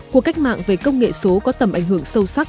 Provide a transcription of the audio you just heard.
cuộc cách mạng về công nghệ số có tầm ảnh hưởng sâu sắc